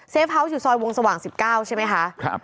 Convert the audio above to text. เซฟฮาวส์อยู่ซอยวงสว่างสิบเจ้าใช่ไหมคะครับ